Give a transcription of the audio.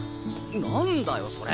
何だよそれ！